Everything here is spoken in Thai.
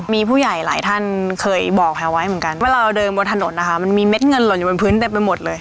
มีผู้ใหญ่หลายท่านเคยบอกแพลวไว้เหมือนกันว่าเราเดินบนถนนนะคะมันมีเม็ดเงินหล่นอยู่บนพื้นเต็มไปหมดเลย